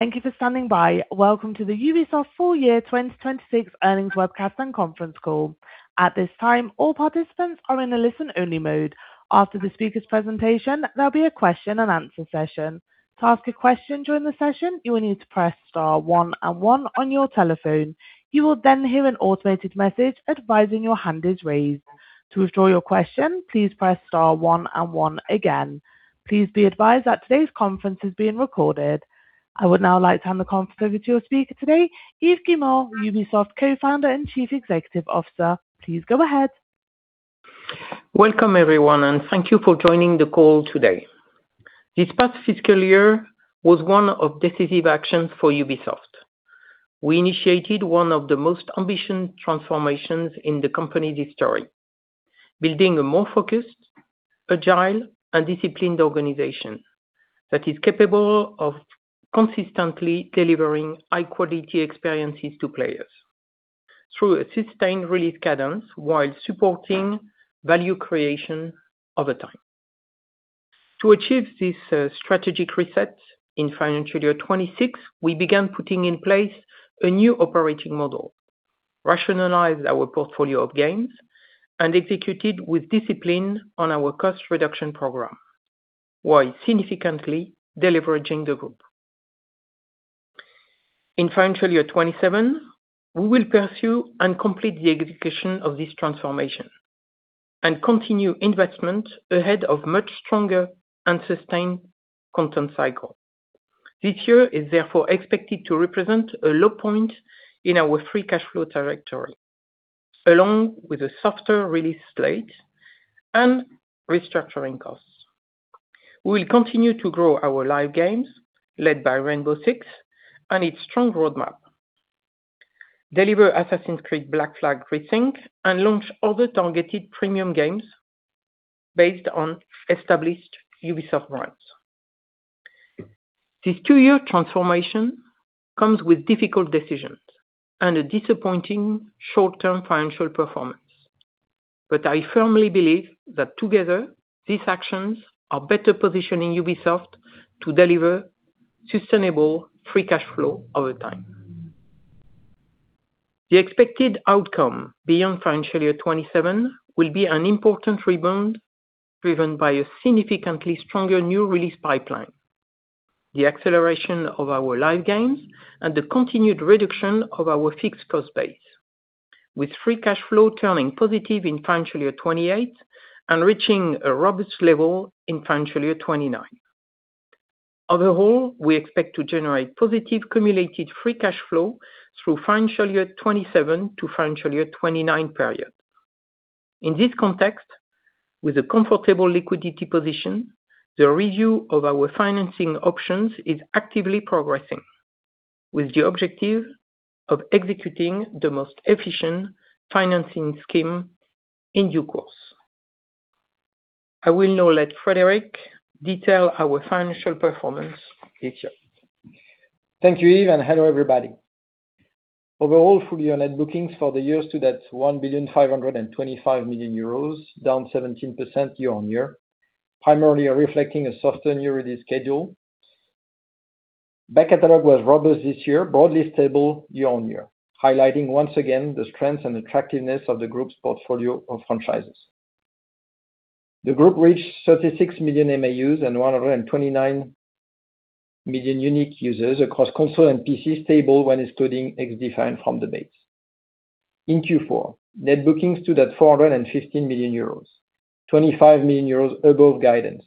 Thank you for standing by. Welcome to the Ubisoft Full Year 2026 Earnings Webcast and Conference Call. At this time, all participants are in a listen-only mode. After the speaker's presentation, there'll be a question and answer session. Please be advised that today's conference is being recorded. I would now like to hand the conference over to your speaker today, Yves Guillemot, Ubisoft's co-founder and Chief Executive Officer. Please go ahead. Welcome, everyone, and thank you for joining the call today. This past fiscal year was one of decisive action for Ubisoft. We initiated one of the most ambitious transformations in the company's history, building a more focused, agile, and disciplined organization that is capable of consistently delivering high-quality experiences to players through a sustained release cadence while supporting value creation over time. To achieve this strategic reset in financial year 2026, we began putting in place a new operating model, rationalized our portfolio of games, and executed with discipline on our cost reduction program, while significantly deleveraging the group. In financial year 2027, we will pursue and complete the execution of this transformation and continue investment ahead of much stronger and sustained content cycle. This year is therefore expected to represent a low point in our free cash flow territory, along with a softer release slate and restructuring costs. We will continue to grow our live games led by Rainbow Six and its strong roadmap, deliver Assassin's Creed Black Flag Resynced, and launch other targeted premium games based on established Ubisoft brands. This two year transformation comes with difficult decisions and a disappointing short-term financial performance, but I firmly believe that, together, these actions are better positioning Ubisoft to deliver sustainable free cash flow over time. The expected outcome beyond financial year 2027 will be an important rebound driven by a significantly stronger new release pipeline, the acceleration of our live games, and the continued reduction of our fixed cost base, with free cash flow turning positive in financial year 2028 and reaching a robust level in financial year 2029. Overall, we expect to generate positive cumulated free cash flow through financial year 2027 to financial year 2029 period. In this context, with a comfortable liquidity position, the review of our financing options is actively progressing with the objective of executing the most efficient financing scheme in due course. I will now let Frédérick detail our financial performance this year. Thank you, Yves, and hello, everybody. Overall, full-year net bookings for the year stood at 1.525 billion down 17% year-on-year, primarily reflecting a softer new release schedule. Back catalog was robust this year, broadly stable year-on-year, highlighting once again the strength and attractiveness of the group's portfolio of franchises. The group reached 36 million MAUs and 129 million unique users across console and PC, stable when excluding XDefiant from the base. In Q4, net bookings stood at 415 million euros, 25 million euros above guidance,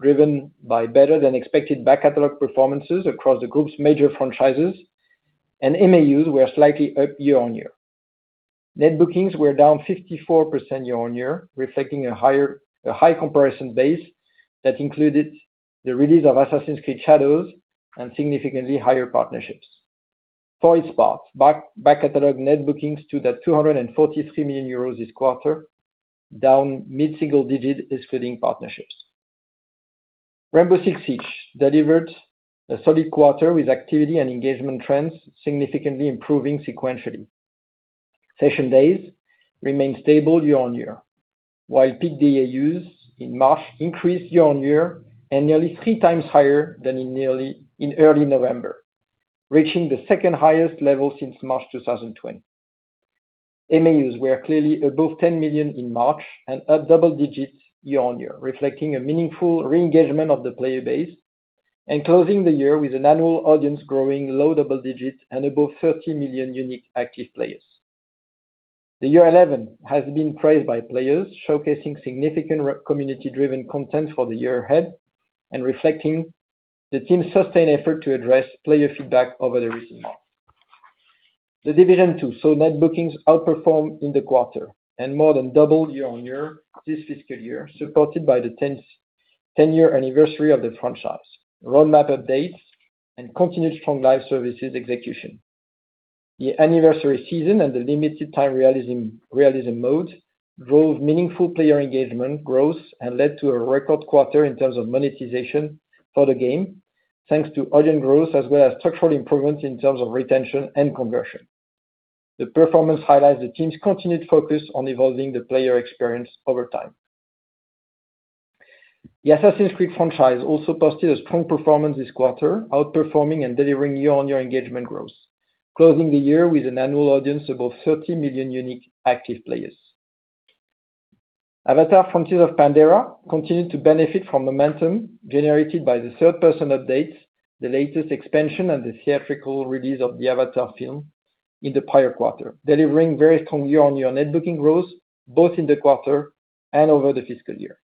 driven by better-than-expected back catalog performances across the group's major franchises. MAUs were slightly up year-on-year. Net bookings were down 54% year-on-year, reflecting a high comparison base that included the release of Assassin's Creed Shadows and significantly higher partnerships. For its part, back-catalog net bookings stood at 243 million euros this quarter, down mid-single digits excluding partnerships. Rainbow Six Siege delivered a solid quarter with activity and engagement trends significantly improving sequentially. Session days remained stable year-on-year, while peak DAUs in March increased year-on-year and nearly 3x higher than in early November, reaching the second highest level since March 2020. MAUs were clearly above 10 million in March and up double digits year-on-year, reflecting a meaningful re-engagement of the player base and closing the year with an annual audience growing low double digits and above 30 million unique active players. The year 11 has been praised by players, showcasing significant community-driven content for the year ahead and reflecting the team's sustained effort to address player feedback over the recent months. The Division 2 saw net bookings outperform in the quarter and more than double year-on-year this fiscal year, supported by the 10-year anniversary of the franchise, roadmap updates, and continued strong live services execution. The anniversary season and the limited-time realism mode drove meaningful player engagement growth and led to a record quarter in terms of monetization for the game, thanks to audience growth as well as structural improvements in terms of retention and conversion. The performance highlight the team's continued focus on evolving the player experience over time. The Assassin's Creed franchise also posted a strong performance this quarter, outperforming and delivering year-on-year engagement growth, closing the year with an annual audience above 30 million unique active players. Avatar: Frontiers of Pandora continued to benefit from momentum generated by the third-person updates, the latest expansion, and the theatrical release of the Avatar film in the prior quarter, delivering very strong year-on-year net booking growth, both in the quarter and over the fiscal year.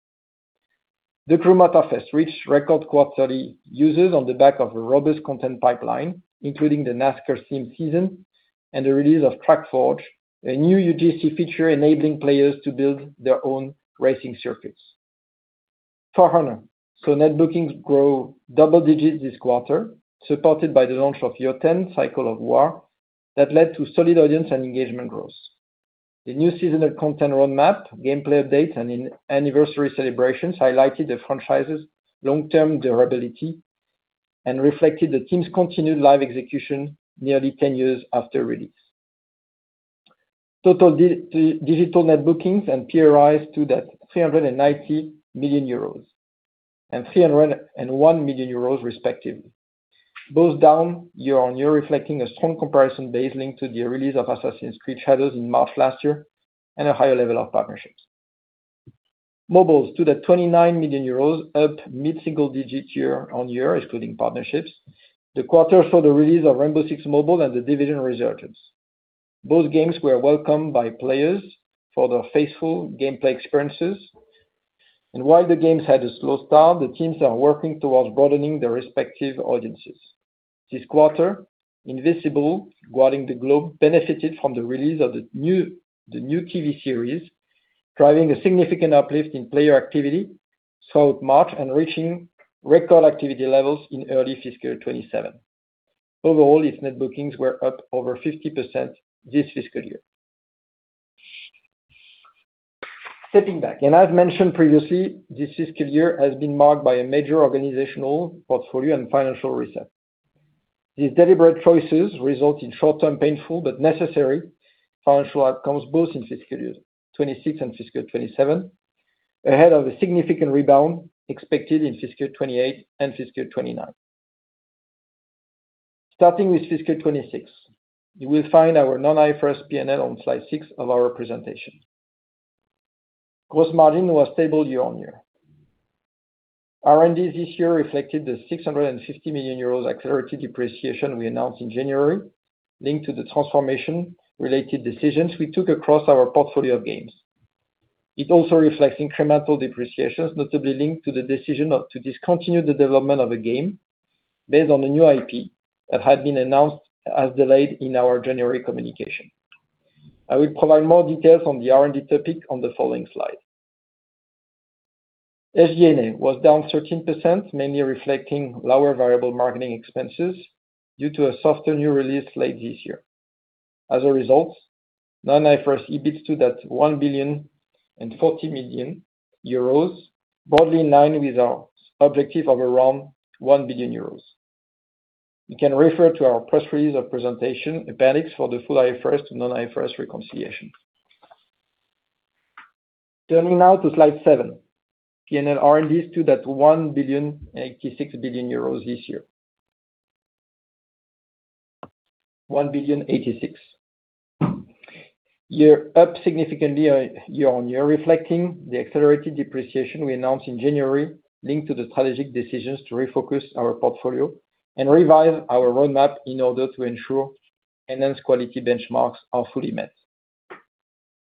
The Crew Motorfest reached record quarterly users on the back of a robust content pipeline, including the NASCAR Sim season and the release of TrackForge, a new UGC feature enabling players to build their own racing circuits. For Honor saw net bookings grow double digits this quarter, supported by the launch of Year 10 Cycle of War, that led to solid audience and engagement growth. The new seasonal content roadmap, gameplay update, and anniversary celebrations highlighted the franchise's long-term durability and reflected the team's continued live execution nearly 10 years after release. Total digital net bookings and PRI stood at 390 million euros and 301 million euros respectively, both down year-on-year, reflecting a strong comparison base linked to the release of Assassin's Creed Shadows in March last year, and a higher level of partnerships. Mobiles stood at 29 million euros, up mid-single digit year-on-year, excluding partnerships. The quarter saw the release of Rainbow Six Mobile and The Division Resurgence. Both games were welcomed by players for their faithful gameplay experiences, and while the games had a slow start, the teams are working towards broadening their respective audiences. This quarter, Invincible: Guarding the Globe benefited from the release of the new TV series, driving a significant uplift in player activity throughout March and reaching record activity levels in early fiscal 2027. Overall, its net bookings were up over 50% this fiscal year. Stepping back, and I've mentioned previously, this fiscal year has been marked by a major organizational portfolio and financial reset. These deliberate choices result in short-term, painful, but necessary financial outcomes both in fiscal year 2026 and fiscal 2027, ahead of a significant rebound expected in fiscal 2028 and fiscal 2029. Starting with fiscal 2026, you will find our non-IFRS P&L on slide six of our presentation. Gross margin was stable year-over-year. R&D this year reflected the 650 million euros accelerated depreciation we announced in January, linked to the transformation-related decisions we took across our portfolio of games. It also reflects incremental depreciations notably linked to the decision to discontinue the development of a game based on a new IP that had been announced as delayed in our January communication. I will provide more details on the R&D topic on the following slide. SG&A was down 13%, mainly reflecting lower variable marketing expenses due to a softer new release late this year. As a result, non-IFRS EBIT stood at 1 billion and 40 million euros, broadly in line with our objective of around 1 billion euros. You can refer to our press release or presentation appendix for the full IFRS to non-IFRS reconciliation. Turning now to slide seven. P&L R&D stood at 1 billion, 86 billion euros this year. 1 billion, 86 billion. Up significantly year-on-year, reflecting the accelerated depreciation we announced in January, linked to the strategic decisions to refocus our portfolio and revise our roadmap in order to ensure enhanced quality benchmarks are fully met.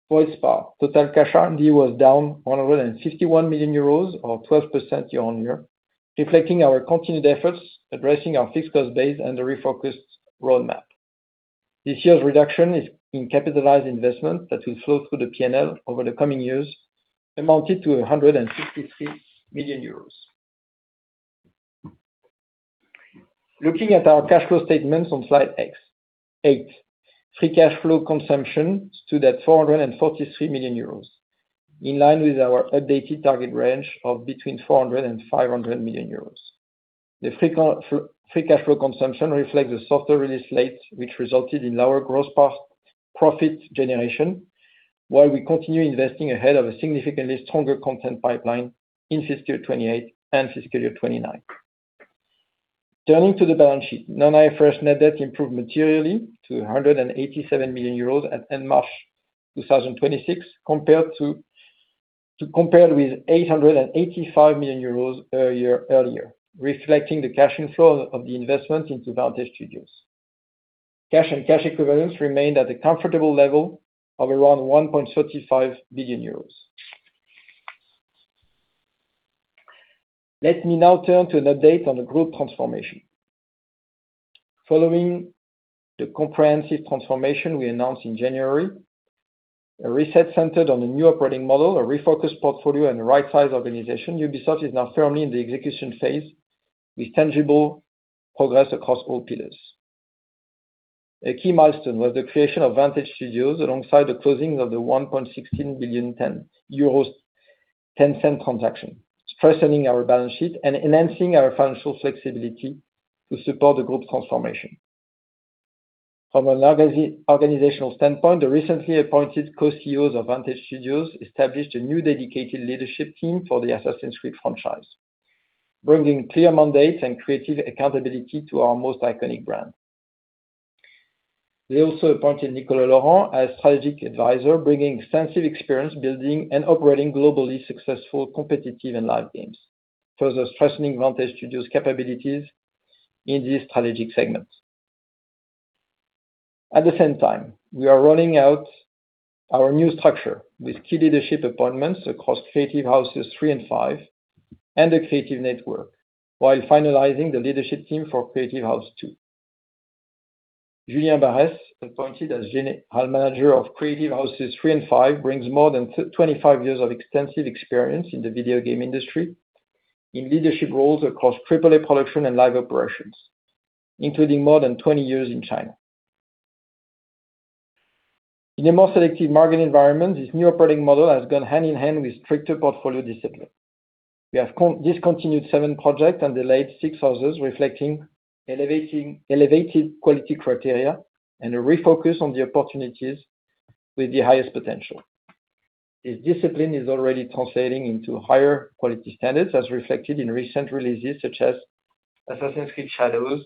For its part, total cash R&D was down 151 million euros, or 12% year-on-year, reflecting our continued efforts addressing our fixed cost base and the refocused roadmap. This year's reduction in capitalized investment that will flow through the P&L over the coming years amounted to 153 million euros. Looking at our cash flow statements on slide eight. Free cash flow consumption stood at 443 million euros, in line with our updated target range of between 400 million euros and 500 million euros. The free cash flow consumption reflects the softer release dates, which resulted in lower gross profit generation, while we continue investing ahead of a significantly stronger content pipeline in fiscal 2028 and fiscal year 2029. Turning to the balance sheet. Non-IFRS net debt improved materially to 187 million euros at end March 2026, to compare with 885 million euros a year earlier, reflecting the cash inflow of the investment into Vantage Studios. Cash and cash equivalents remained at a comfortable level of around 1.35 billion euros. Let me now turn to an update on the group transformation. Following the comprehensive transformation we announced in January, a reset centered on a new operating model, a refocused portfolio, and right-sized organization, Ubisoft is now firmly in the execution phase with tangible progress across all pillars. A key milestone was the creation of Vantage Studios alongside the closing of the 1.16 billion Tencent transaction, strengthening our balance sheet and enhancing our financial flexibility to support the group's transformation. From an organizational standpoint, the recently appointed co-CEOs of Vantage Studios established a new dedicated leadership team for the "Assassin's Creed" franchise, bringing clear mandates and creative accountability to our most iconic brand. They also appointed Nicolo Laurent as Strategic Advisor, bringing extensive experience building and operating globally successful competitive and live games, further strengthening Vantage Studio's capabilities in this strategic segment. At the same time, we are rolling out our new structure with key leadership appointments across Creative Houses 3 and 5 and the creative network, while finalizing the leadership team for Creative House 2. Julien Bares, appointed as General Manager of Creative Houses 3 and 5, brings more than 25 years of extensive experience in the video game industry in leadership roles across AAA production and live operations, including more than 20 years in China. In a more selective market environment, this new operating model has gone hand-in-hand with stricter portfolio discipline. We have discontinued seven projects and delayed six others, reflecting elevated quality criteria and a refocus on the opportunities with the highest potential. This discipline is already translating into higher quality standards as reflected in recent releases such as "Assassin's Creed Shadows"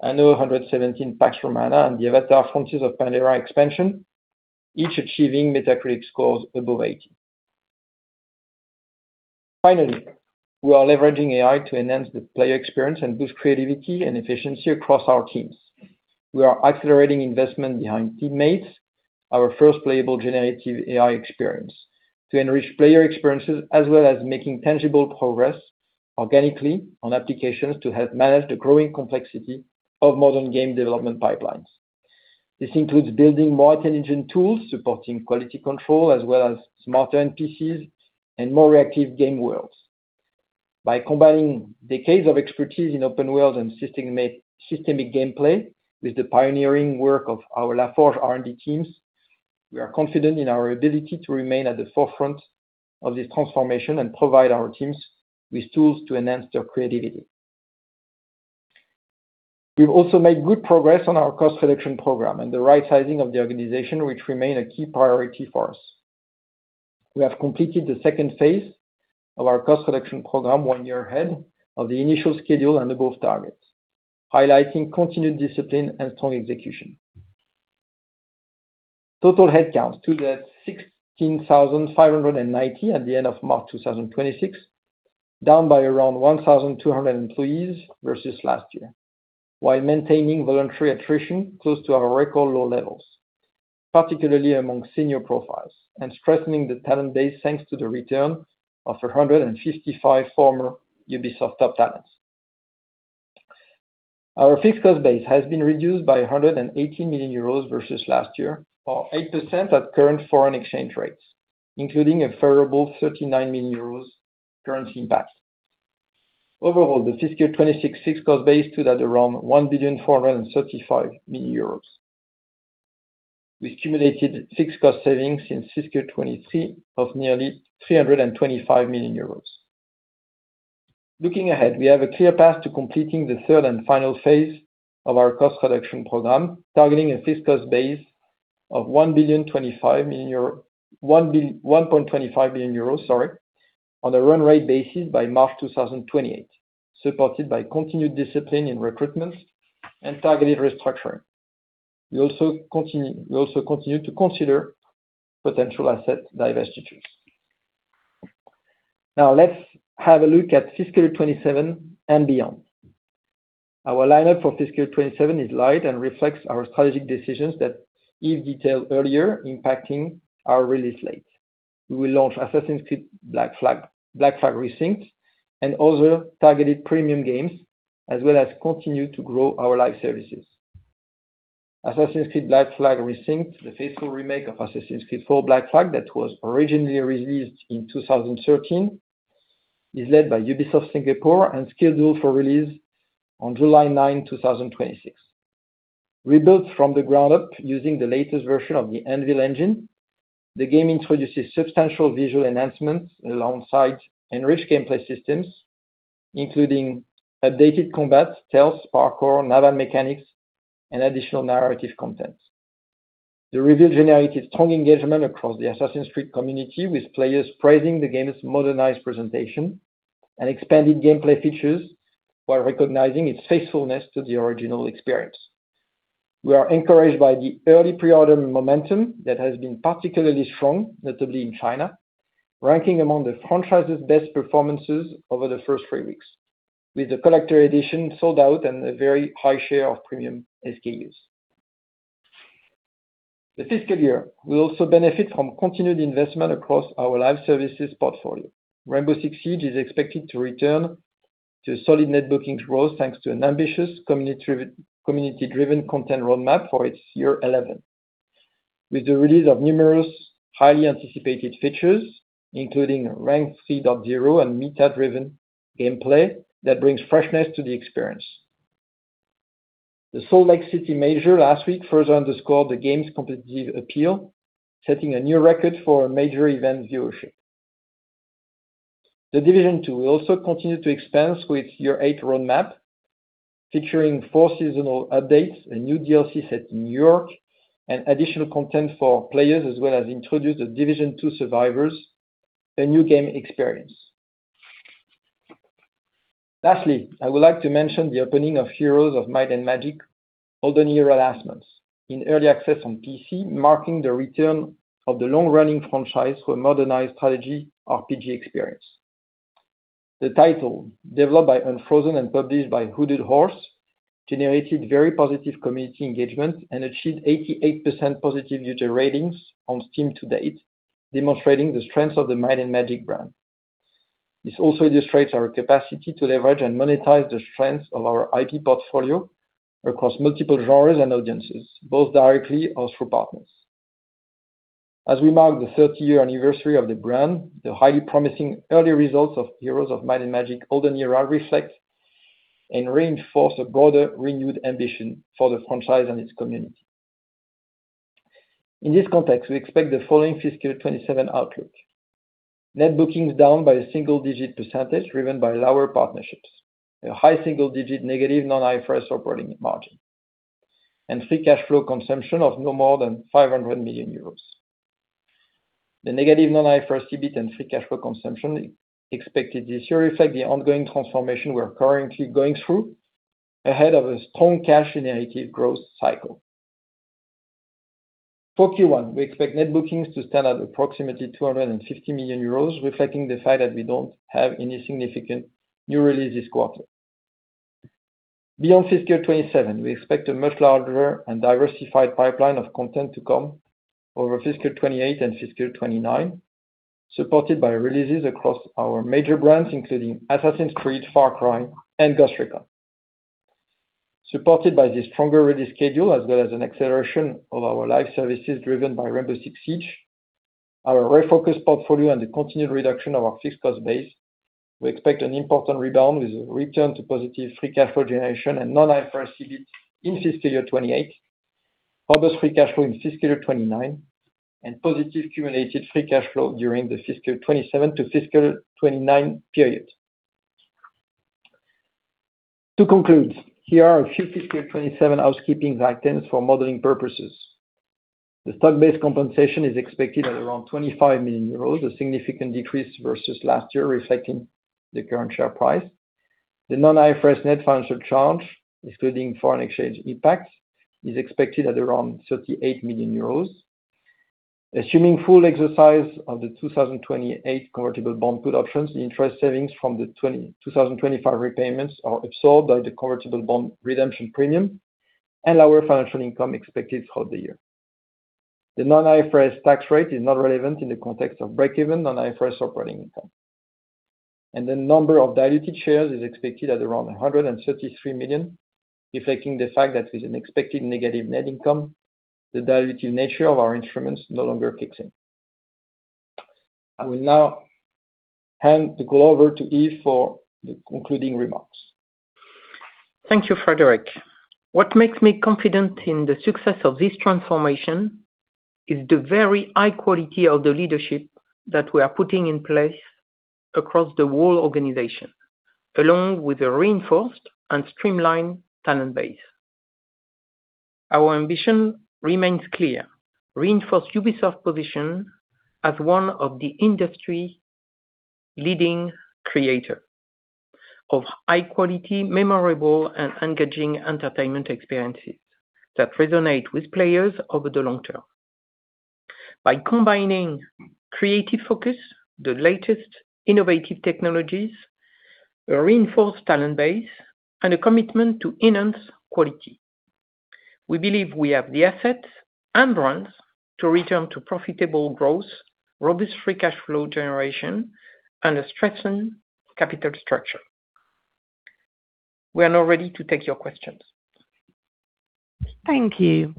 and "Anno 117: Pax Romana" and the "Avatar: Frontiers of Pandora" expansion, each achieving Metacritic scores above 80. Finally, we are leveraging AI to enhance the player experience and boost creativity and efficiency across our teams. We are accelerating investment behind Teammates, our first playable generative AI experience to enrich player experiences, as well as making tangible progress organically on applications to help manage the growing complexity of modern game development pipelines. This includes building more intelligent tools, supporting quality control, as well as smarter NPCs and more reactive game worlds. By combining decades of expertise in open worlds and systemic gameplay with the pioneering work of our La Forge R&D teams, we are confident in our ability to remain at the forefront of this transformation and provide our teams with tools to enhance their creativity. We've also made good progress on our cost reduction program and the right sizing of the organization, which remain a key priority for us. We have completed the second phase of our cost reduction program one year ahead of the initial schedule and above targets, highlighting continued discipline and strong execution. Total headcount stood at 16,590 at the end of March 2026, down by around 1,200 employees versus last year, while maintaining voluntary attrition close to our record low levels, particularly among senior profiles, and strengthening the talent base thanks to the return of 155 former Ubisoft top talents. Our fixed cost base has been reduced by 180 million euros versus last year, or 8% at current foreign exchange rates, including a favorable 39 million euros currency impact. Overall, the fiscal 2026 fixed cost base stood at around 1.435 million euros. We accumulated fixed cost savings in fiscal 2023 of nearly 325 million euros. Looking ahead, we have a clear path to completing the third and final phase of our cost reduction program, targeting a fixed cost base of 1.25 billion euros on a run rate basis by March 2028, supported by continued discipline in recruitment and targeted restructuring. We also continue to consider potential asset divestitures. Let's have a look at fiscal 2027 and beyond. Our lineup for fiscal 2027 is light and reflects our strategic decisions that Yves detailed earlier impacting our release dates. We will launch "Assassin's Creed Black Flag Resynced" and other targeted premium games, as well as continue to grow our live services. "Assassin's Creed Black Flag Resynced," the faithful remake of "Assassin's Creed IV: Black Flag" that was originally released in 2013, is led by Ubisoft Singapore and scheduled for release on July 9, 2026. Rebuilt from the ground up using the latest version of the Anvil engine, the game introduces substantial visual enhancements alongside enriched gameplay systems, including updated combat, stealth, parkour, naval mechanics, and additional narrative content. The reveal generated strong engagement across the Assassin's Creed community, with players praising the game's modernized presentation and expanded gameplay features while recognizing its faithfulness to the original experience. We are encouraged by the early pre-order momentum that has been particularly strong, notably in China, ranking among the franchise's best performances over the first three weeks, with the collector edition sold out and a very high share of premium SKUs. The fiscal year will also benefit from continued investment across our live services portfolio. Rainbow Six Siege is expected to return to solid net bookings growth thanks to an ambitious community-driven content roadmap for its year 11. With the release of numerous highly anticipated features, including Ranked 3.0 and meta-driven gameplay that brings freshness to the experience. The Salt Lake City Major last week further underscored the game's competitive appeal, setting a new record for major event viewership. The Division 2 will also continue to expand with Year Eight roadmap, featuring four seasonal updates, a new DLC set in New York, and additional content for players, as well as introduce The Division 2: Survivors, a new game experience. Lastly, I would like to mention the opening of Heroes of Might and Magic: Olden Era last month in early access on PC, marking the return of the long-running franchise to a modernized strategy RPG experience. The title, developed by Unfrozen and published by Hooded Horse, generated very positive community engagement and achieved 88% positive user ratings on Steam to date, demonstrating the strength of the Might and Magic brand. This also illustrates our capacity to leverage and monetize the strengths of our IP portfolio across multiple genres and audiences, both directly or through partners. As we mark the 30-year anniversary of the brand, the highly promising early results of Heroes of Might and Magic: Olden Era reflect and reinforce a broader, renewed ambition for the franchise and its community. In this context, we expect the following fiscal year 2027 outlook: net bookings down by a single-digit percentage, driven by lower partnerships, a high single-digit negative non-IFRS operating margin, and free cash flow consumption of no more than 500 million euros. The negative non-IFRS EBIT and free cash flow consumption expected this year reflect the ongoing transformation we're currently going through ahead of a strong cash-generative growth cycle. For Q1, we expect net bookings to stand at approximately 250 million euros, reflecting the fact that we don't have any significant new releases this quarter. Beyond fiscal year 2027, we expect a much larger and diversified pipeline of content to come over fiscal year 2028 and fiscal year 2029, supported by releases across our major brands, including Assassin's Creed, Far Cry, and Ghost Recon. Supported by this stronger release schedule, as well as an acceleration of our live services driven by Rainbow Six Siege, our refocused portfolio, and the continued reduction of our fixed cost base, we expect an important rebound with a return to positive free cash flow generation and non-IFRS EBIT in fiscal year 2028, positive free cash flow in fiscal year 2029, and positive cumulative free cash flow during the fiscal year 2027 to fiscal year 2029 period. To conclude, here are a few fiscal year 2027 housekeeping items for modeling purposes. The stock-based compensation is expected at around 25 million euros, a significant decrease versus last year, reflecting the current share price. The non-IFRS net financial charge, excluding foreign exchange impact, is expected at around 38 million euros. Assuming full exercise of the 2028 convertible bond put options, the interest savings from the 2025 repayments are absorbed by the convertible bond redemption premium and lower financial income expected throughout the year. The non-IFRS tax rate is not relevant in the context of break-even non-IFRS operating income. The number of diluted shares is expected at around 133 million, reflecting the fact that with an expected negative net income, the dilutive nature of our instruments no longer kicks in. I will now hand the call over to Yves for the concluding remarks. Thank you, Frédérick. What makes me confident in the success of this transformation is the very high quality of the leadership that we are putting in place across the whole organization, along with a reinforced and streamlined talent base. Our ambition remains clear: reinforce Ubisoft's position as one of the industry's leading creator of high-quality, memorable, and engaging entertainment experiences that resonate with players over the long term. By combining creative focus, the latest innovative technologies, a reinforced talent base, and a commitment to enhance quality, we believe we have the assets and brands to return to profitable growth, robust free cash flow generation, and a strengthened capital structure. We are now ready to take your questions. Thank you.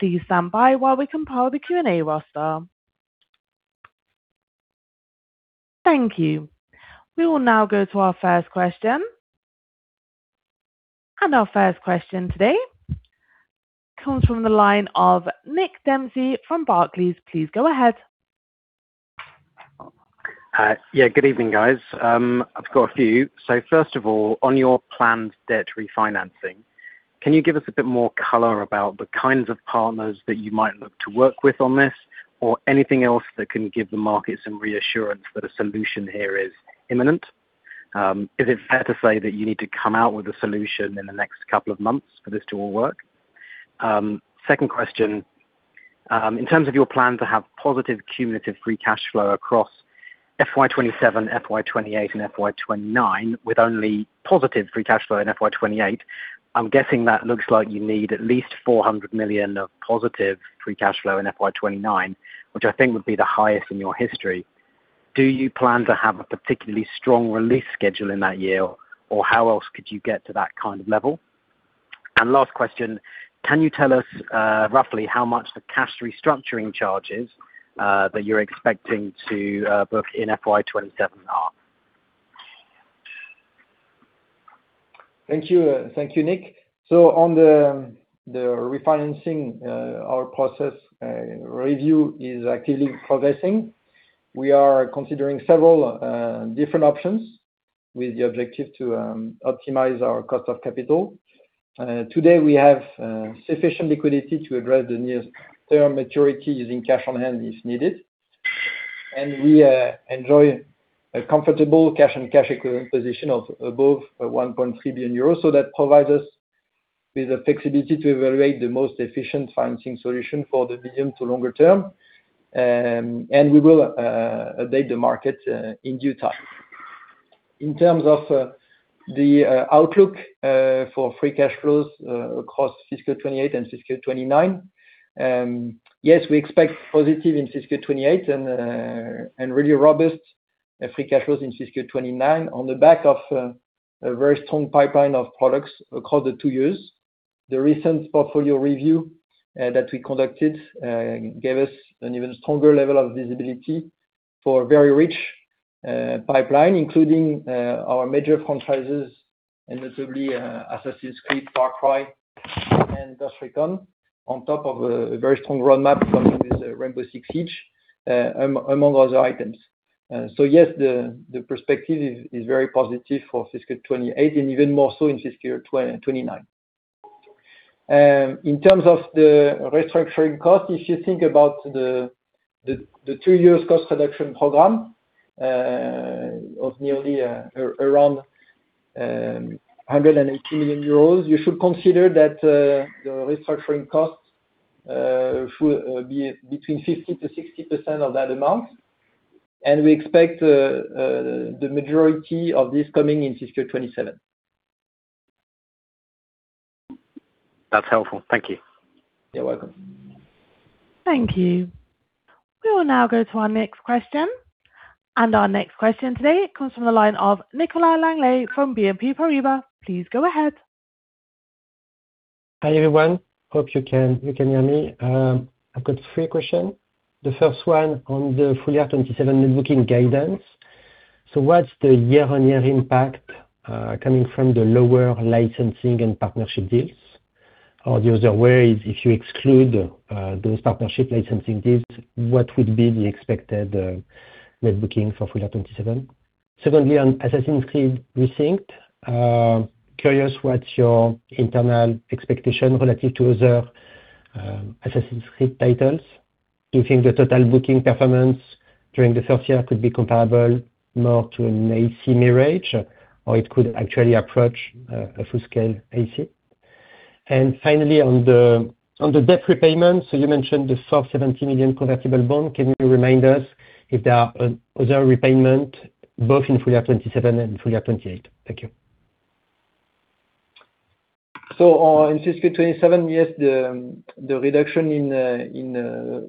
We will now go to our first question. Our first question today comes from the line of Nick Dempsey from Barclays. Please go ahead. Yeah. Good evening, guys. I've got a few. First of all, on your planned debt refinancing, can you give us a bit more color about the kinds of partners that you might look to work with on this, or anything else that can give the market some reassurance that a solution here is imminent? Is it fair to say that you need to come out with a solution in the next couple of months for this to all work? Second question, in terms of your plan to have positive cumulative free cash flow across FY 2027, FY 2028, and FY 2029 with only positive free cash flow in FY 2028, I'm guessing that looks like you need at least 400 million of positive free cash flow in FY 2029, which I think would be the highest in your history. Do you plan to have a particularly strong release schedule in that year, or how else could you get to that kind of level? Last question, can you tell us roughly how much the cash restructuring charges that you're expecting to book in FY 2027 are? Thank you, Nick. On the refinancing, our process review is actively progressing. We are considering several different options with the objective to optimize our cost of capital. Today, we have sufficient liquidity to address the nearest term maturity using cash on hand if needed. We enjoy a comfortable cash and cash equivalent position of above 1.3 billion euros. That provides us with the flexibility to evaluate the most efficient financing solution for the medium to longer term. We will update the market in due time. In terms of the outlook for free cash flows across fiscal 2028 and fiscal 2029, yes, we expect positive in fiscal 2028 and really robust free cash flows in fiscal 2029 on the back of a very strong pipeline of products across the two years. The recent portfolio review that we conducted gave us an even stronger level of visibility for a very rich pipeline, including our major franchises and notably Assassin's Creed, Far Cry, and Ghost Recon, on top of a very strong roadmap for Rainbow Six Siege, among other items. Yes, the perspective is very positive for fiscal 2028 and even more so in fiscal 2029. In terms of the restructuring cost, if you think about the two years cost reduction program of nearly around 180 million euros, you should consider that the restructuring costs should be between 50%-60% of that amount, and we expect the majority of this coming in fiscal 2027. That's helpful. Thank you. You're welcome. Thank you. We will now go to our next question. Our next question today comes from the line of Nicolas Langlet from BNP Paribas. Please go ahead. Hi, everyone. Hope you can hear me. I've got three questions. The first one on the full year 2027 net booking guidance. What's the year-over-year impact coming from the lower licensing and partnership deals? The other way, if you exclude those partnership licensing deals, what would be the expected net booking for full year 2027? Secondly, on Assassin's Creed Resynced, curious what your internal expectation relative to other Assassin's Creed titles. Do you think the total booking performance during the first year could be comparable more to an AC Mirage, or it could actually approach a full scale AC? Finally, on the debt repayment, you mentioned the soft 70 million convertible bond. Can you remind us if there are other repayment both in full year 2027 and full year 2028? Thank you. In fiscal 2027, yes, the reduction in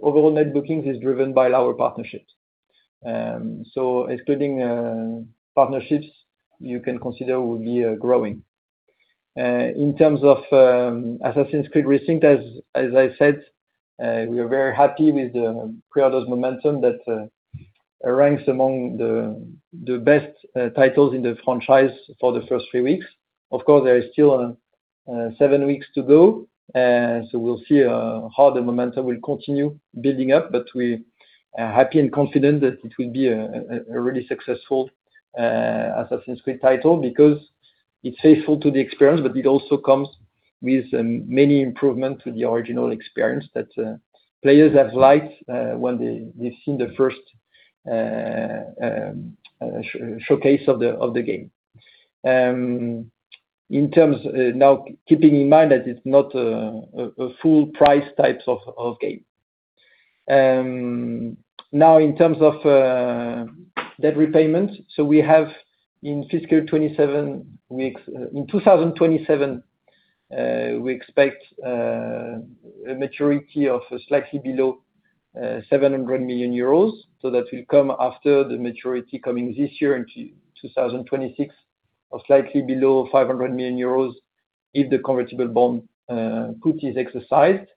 overall net bookings is driven by lower partnerships. Excluding partnerships, you can consider will be growing. In terms of Assassin's Creed Resynced, as I said, we are very happy with the pre-orders momentum that ranks among the best titles in the franchise for the first three weeks. Of course, there is still seven weeks to go, so we'll see how the momentum will continue building up, but we are happy and confident that it will be a really successful Assassin's Creed title because it's faithful to the experience, but it also comes with many improvements to the original experience that players have liked when they've seen the first showcase of the game. Now keeping in mind that it's not a full price type of game. In terms of debt repayment, we have in fiscal 2027, in 2027, we expect a maturity of slightly below 700 million euros. That will come after the maturity coming this year in 2026 of slightly below 500 million euros if the convertible bond put is exercised.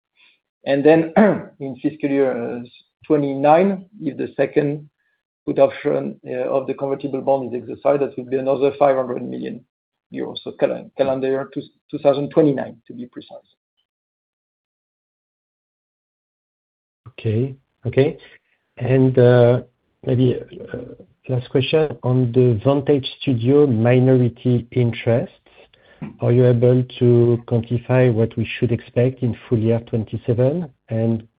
In fiscal year 2029, if the second put option of the convertible bond is exercised, that will be another 500 million euros. Calendar 2029, to be precise. Okay. Maybe last question on the Vantage Studios minority interests. Are you able to quantify what we should expect in full year 2027?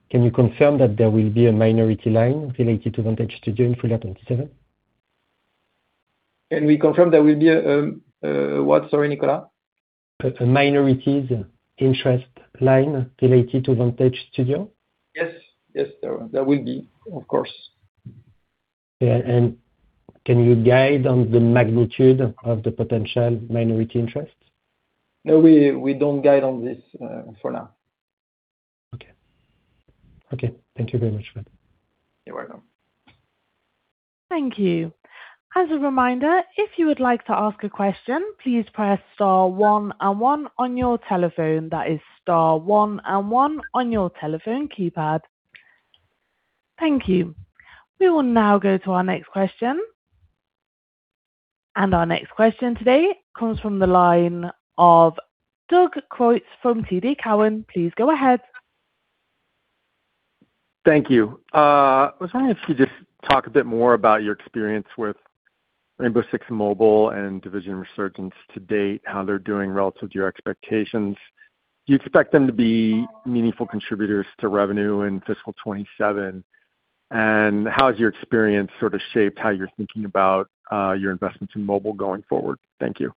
Can you confirm that there will be a minority line related to Vantage Studios in full year 2027? Can we confirm there will be a what, sorry, Nicolas? A minority interest line related to Vantage Studios. Yes. There will be, of course. Yeah, can you guide on the magnitude of the potential minority interest? No, we don't guide on this for now. Okay. Thank you very much, Fred. You're welcome. Thank you. As a reminder, if you would like to ask a question, please press star one and one on your telephone. That is star one and one on your telephone keypad. Thank you. We will now go to our next question. Our next question today comes from the line of Doug Creutz from TD Cowen. Please go ahead. Thank you. I was wondering if you could just talk a bit more about your experience with Rainbow Six Mobile and Division Resurgence to date, how they're doing relative to your expectations. Do you expect them to be meaningful contributors to revenue in fiscal 2027? How has your experience sort of shaped how you're thinking about your investments in mobile going forward? Thank you.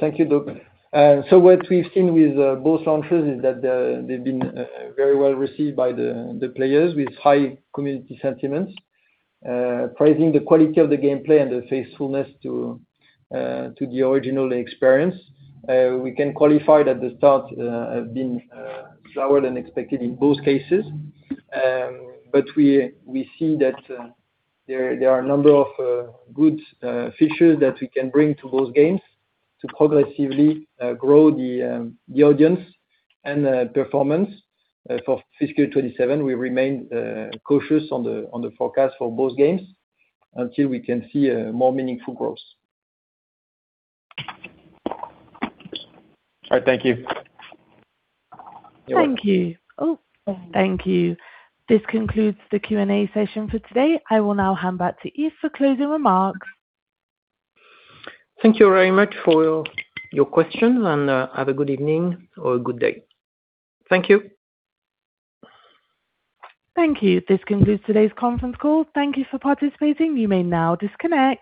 Thank you, Doug. What we've seen with both launches is that they've been very well received by the players with high community sentiments, praising the quality of the gameplay and the faithfulness to the original experience. We can qualify it at the start, have been slower than expected in both cases. We see that there are a number of good features that we can bring to both games to progressively grow the audience and the performance. For FY 2027, we remain cautious on the forecast for both games until we can see more meaningful growth. All right. Thank you. You're welcome. Thank you. This concludes the Q&A session for today. I will now hand back to Yves for closing remarks. Thank you very much for your questions. Have a good evening or a good day. Thank you. Thank you. This concludes today's conference call. Thank you for participating. You may now disconnect.